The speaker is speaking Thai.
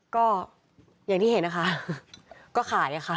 ก็อย่างที่เห็นนะคะก็ขายค่ะ